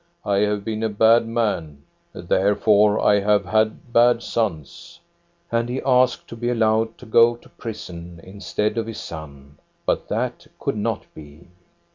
" I have been a bad man, therefore I have had bad sons." And he asked to be allowed to go to prison instead of his son ; but that could not be.